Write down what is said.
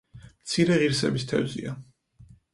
მცირე ღირსების თევზია.